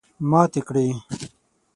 ماتې کړې.